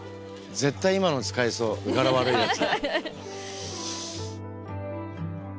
絶対今の使いそう柄悪いやつ。